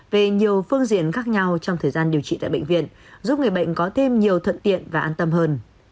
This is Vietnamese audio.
về nhiều phương diện khác nhau trong thời gian điều trị tại bệnh viện giúp người bệnh có thêm nhiều thuận tiện và an tâm hơn